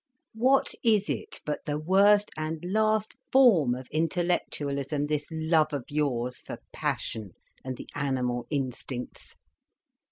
What is it but the worst and last form of intellectualism, this love of yours for passion and the animal instincts?